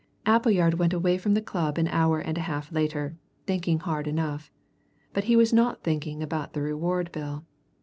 Appleyard went away from the club an hour and a half later, thinking hard enough. But he was not thinking about the reward bill.